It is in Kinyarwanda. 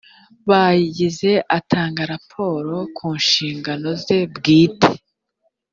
bayigize atanga raporo ku nshingano ze bwite